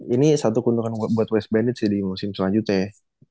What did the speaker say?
ini satu keuntungan buat west bandit sih di musim selanjutnya ya